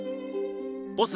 ボス